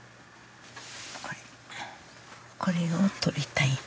これこれを取りたいんや。